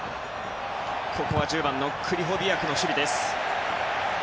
ここは１０番のクリホビアクの守備。